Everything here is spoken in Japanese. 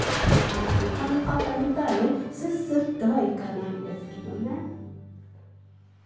一般の方みたいにスッスッとはいかないですけどね。